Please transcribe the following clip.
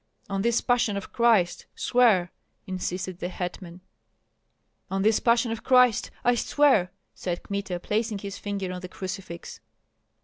"On this passion of Christ, swear!" insisted the hetman. "On this passion of Christ, I swear!" said Kmita, placing his finger on the crucifix.